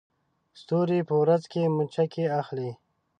ستوري په ورځ کې مچکې اخلي